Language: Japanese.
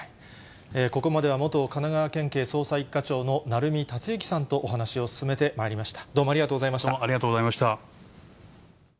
ここまでは元神奈川県警捜査１課長の鳴海達之さんとお話を進めてまいりました。